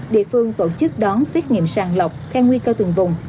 địa phương tổ chức đón xét nghiệm sàng lọc theo nguy cơ từng vùng